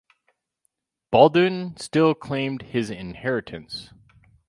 Baldwin still claimed his inheritance.